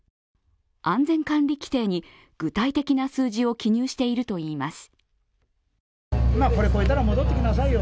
安全管理規程に具体的な数字を記入しているといいます。